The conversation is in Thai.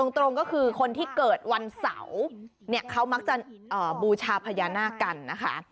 ตรงก็คือคนที่เกิดวันเสาร์เนี่ยเขามักจะบูชาพญานาคกันนะคะ